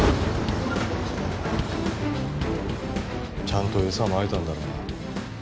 ちゃんとエサまいたんだろうな？